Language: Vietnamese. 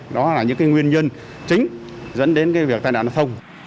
đó là những nguyên nhân chính dẫn đến việc tai nạn giao thông